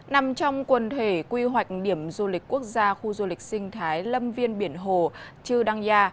nằm trong quần thể quy hoạch điểm du lịch quốc gia khu du lịch sinh thái lâm viên biển hồ chư đăng gia